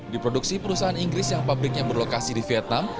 di produksi perusahaan inggris yang pabriknya berlokasi di vietnam